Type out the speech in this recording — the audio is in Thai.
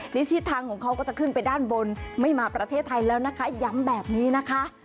ทิศทางของเขาก็จะขึ้นไปด้านบนไม่มาประเทศไทยแล้วนะคะย้ำแบบนี้นะคะ